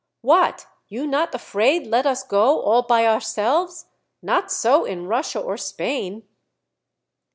"What, you not afraid let us go all by ourselves? Not so in Russia or Spain."